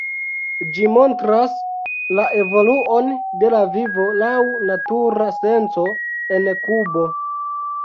Ĝi montras la evoluon de la vivo, laŭ natura senco, en Kubo.